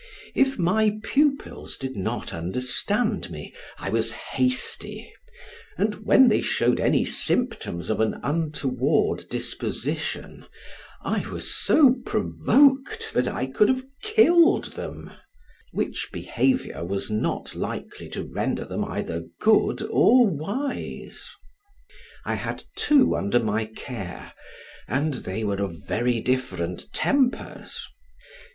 If my pupils did not understand me, I was hasty, and when they showed any symptoms of an untoward disposition, I was so provoked that I could have killed them; which behavior was not likely to render them either good or wise. I had two under my care, and they were of very different tempers.